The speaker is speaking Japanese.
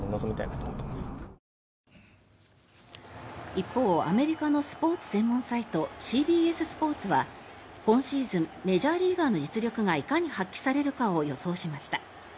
一方アメリカのスポーツ専門サイトＣＢＳスポーツは今シーズンメジャーリーガーの実力がいかに発揮されるかを予想しました。